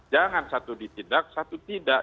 jangan satu ditindak satu tidak